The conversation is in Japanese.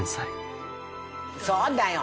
そうだよ。